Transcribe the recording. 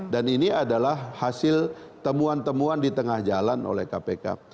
dan ini adalah hasil temuan temuan di tengah jalan oleh kpk